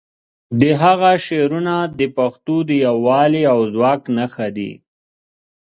د هغه شعرونه د پښتو د یووالي او ځواک نښه دي.